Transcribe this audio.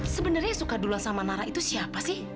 sebenernya suka duluan sama nara itu siapa sih